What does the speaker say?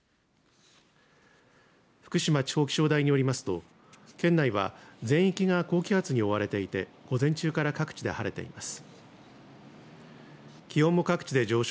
福島地方気象台によりますと県内は全域が高気圧に覆われていて午前中から各地で晴れています。